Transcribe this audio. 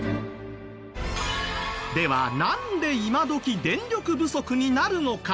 ではなんで今どき電力不足になるのか？